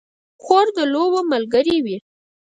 خور د لوبو ملګرې وي.